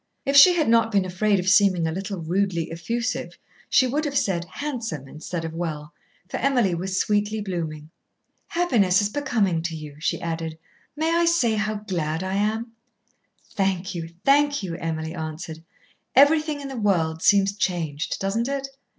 If she had not been afraid of seeming a little rudely effusive she would have said "handsome" instead of "well," for Emily was sweetly blooming. "Happiness is becoming to you," she added. "May I say how glad I am?" "Thank you, thank you!" Emily answered. "Everything in the world seems changed, doesn't it?"